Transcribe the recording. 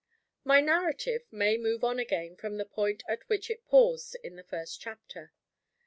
MY narrative may move on again from the point at which it paused in the first chapter.